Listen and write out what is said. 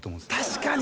確かに。